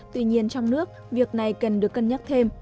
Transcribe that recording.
tuy nhiên trong nước việc này cần được cân nhắc thêm